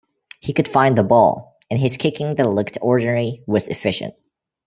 He could find the ball and his kicking that looked ordinary, was efficient.